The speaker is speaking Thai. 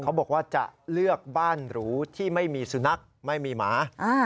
เขาบอกว่าจะเลือกบ้านหรูที่ไม่มีสุนัขไม่มีหมา